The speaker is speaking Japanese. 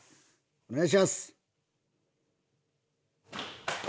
お願いします。